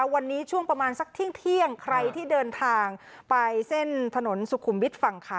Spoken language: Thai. วันนี้ช่วงประมาณสักเที่ยงใครที่เดินทางไปเส้นถนนสุขุมวิทย์ฝั่งขา